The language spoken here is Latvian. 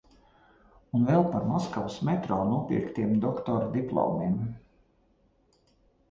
Un vēl par Maskavas metro nopirktiem doktora diplomiem.